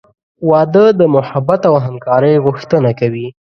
• واده د محبت او همکارۍ غوښتنه کوي.